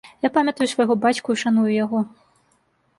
Я памятаю свайго бацьку і шаную яго.